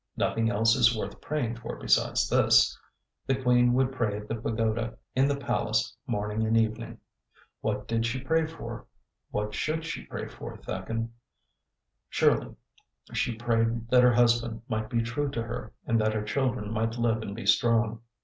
Nothing else is worth praying for besides this. The queen would pray at the pagoda in the palace morning and evening. 'What did she pray for?' 'What should she pray for, thakin? Surely she prayed that her husband might be true to her, and that her children might live and be strong.